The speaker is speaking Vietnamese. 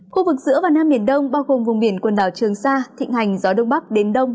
khu vực giữa và nam biển đông bao gồm vùng biển quần đảo trường sa thịnh hành gió đông bắc đến đông